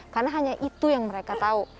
karena hanya itu yang mereka tahu